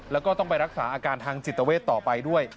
แล้วก็ต้องไปรักษาอาการทางจิตเวทต่อไปด้วย